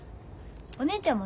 お姉ちゃんもね